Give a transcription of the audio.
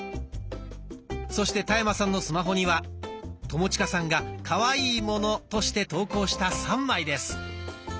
そして田山さんのスマホには友近さんが「可愛いもの」として投稿した３枚です。